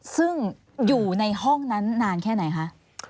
ซึ่งอยู่ในห้องนั้นนานแค่ไหนคะ